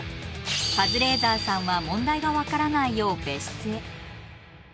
カズレーザーさんは問題が分からないよう別室へ。